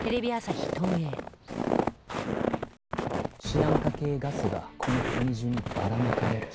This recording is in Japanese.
シアン化系ガスがこの国中にばらまかれる。